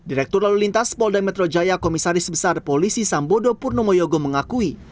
direktur lalu lintas polda metro jaya komisaris besar polisi sambodo purnomo yogo mengakui